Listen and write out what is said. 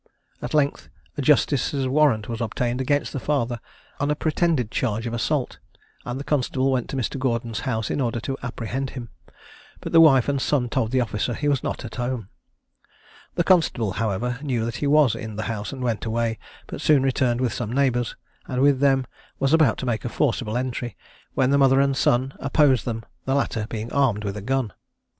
At length a justice's warrant was obtained against the father on a pretended charge of assault, and the constable went to Mr. Gordon's house in order to apprehend him; but the wife and son told the officer he was not at home. The constable, however, knew that he was in the house and went away, but soon returned with some neighbours, and with them was about to make a forcible entry, when the mother and son opposed them, the latter being armed with a gun.